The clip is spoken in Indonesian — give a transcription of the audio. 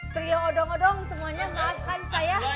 teriak odong odong semuanya maafkan saya